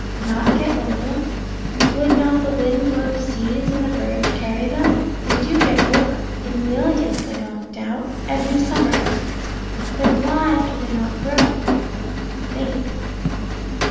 Not get over? Would not the wind blow the seeds, and the birds carry them? They do get over, in millions, I don't doubt, every summer. Then why do they not grow? Think.